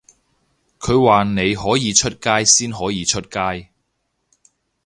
佢話你可以出街先可以出街